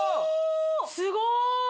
すごーい